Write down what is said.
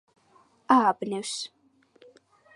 ააბნევს